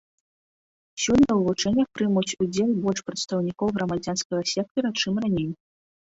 Сёлета ў вучэннях прымуць удзел больш прадстаўнікоў грамадзянскага сектара, чым раней.